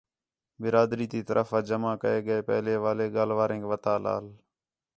برادری تی طرف آ جمع کَئے ڳئے پہلے والے ڳالھ وارینک وَتا لال